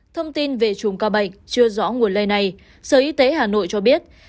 thông tin về chùm ca bệnh chưa rõ nguồn lây này sở y tế hà nội cho biết